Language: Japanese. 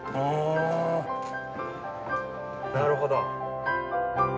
なるほど。